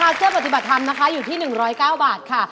เสื้อปฏิบัติธรรมนะคะอยู่ที่๑๐๙บาทค่ะ